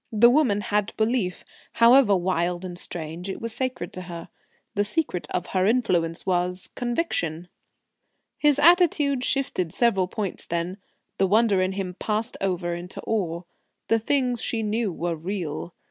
The woman had belief; however wild and strange, it was sacred to her. The secret of her influence was conviction. His attitude shifted several points then. The wonder in him passed over into awe. The things she knew were real.